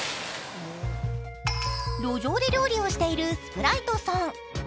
路上で料理をしているスプライトさん。